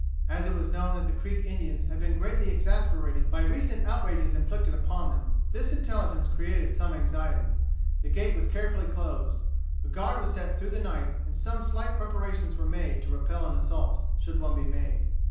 As it was known that the Creek Indians had been greatly exasperated by recent outrages inflicted upon them, this intelligence created some anxiety. The gate was carefully closed. A guard was set through the night, and some slight preparations were made to repel an assault, should one be made.